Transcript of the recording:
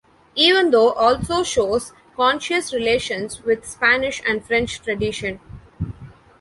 Even though, also shows conscious relations with Spanish and French tradition.